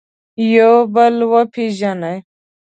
یو بل وپېژني.